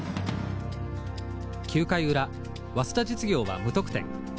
９回裏早稲田実業は無得点。